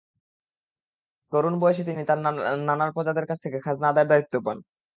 তরুণ বয়সে তিনি তাঁর নানার প্রজাদের কাছ থেকে খাজনা আদায়ের দায়িত্ব পান।